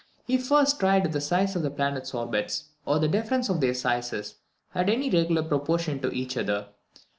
He first tried if the size of the planets' orbits, or the difference of their sizes, had any regular proportion to each other.